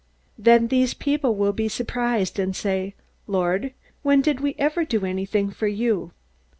"Then these people will be surprised, and say, 'Lord when did we ever do anything for you?'